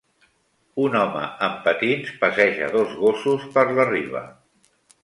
Un home en patins passeja dos gossos per la riba.